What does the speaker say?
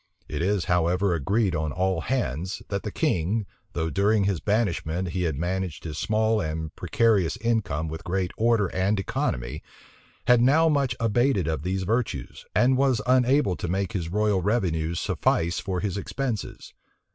It is, however, agreed on all hands, that the king, though during his banishment he had managed his small and precarious income with great order and economy, had now much abated of these virtues, and was unable to make his royal revenues suffice for his expenses.